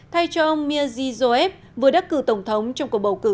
thay cho ông mirziy zoheb vừa đắc cử tổng thống trong cuộc bầu cử